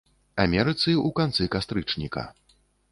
Амерыцы ў канцы кастрычніка.